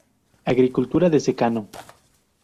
Agricultura de secano.